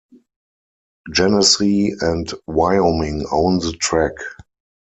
Genesee and Wyoming own the track.